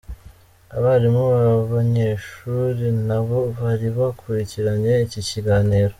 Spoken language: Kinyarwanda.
Abarimu b'aba banyeshuri nabo bari bakurikiranye iki kiganiro.